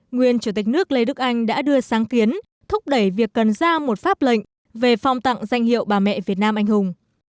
nguyên chủ tịch nước lê đức anh đã đưa sáng kiến thúc đẩy việc cần ra một pháp lệnh về phòng tặng danh hiệu bà mẹ việt nam anh hùng